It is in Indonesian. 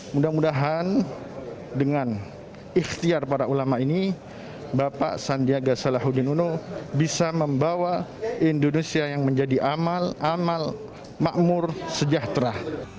mudah mudahan dengan ikhtiar para ulama ini bapak sandiaga salahuddin uno bisa membawa indonesia yang menjadi amal amal makmur sejahtera